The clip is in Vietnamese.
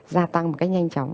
gia tăng một cách nhanh chóng